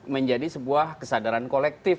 menjadi sebuah kesadaran kolektif